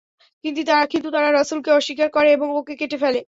কিন্তু তারা রাসূলকে অস্বীকার করে এবং ওকে কেটে ফেলে।